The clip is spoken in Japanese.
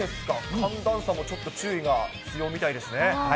寒暖差もちょっと注意が必要みたいですね。